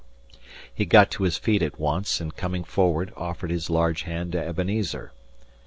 He got to his feet at once, and coming forward, offered his large hand to Ebenezer.